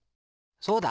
そうだ！